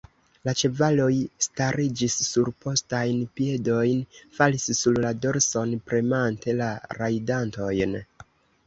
La ĉevaloj stariĝis sur postajn piedojn, falis sur la dorson, premante la rajdantojn.